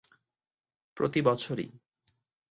প্রতিবছর ই!